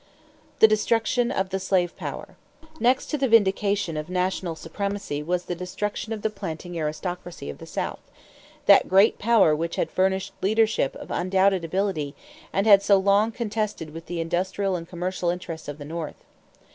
=The Destruction of the Slave Power.= Next to the vindication of national supremacy was the destruction of the planting aristocracy of the South that great power which had furnished leadership of undoubted ability and had so long contested with the industrial and commercial interests of the North.